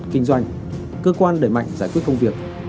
kinh doanh cơ quan đẩy mạnh giải quyết công việc